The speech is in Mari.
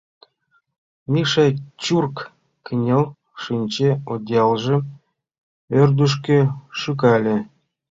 Миша чурк кынел шинче, одеялжым ӧрдыжкӧ шӱкале.